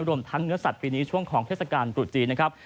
รวมทั้งเนื้อสัตว์ปีนี้ช่วงของเทศกาลตรุษจีนนะครับ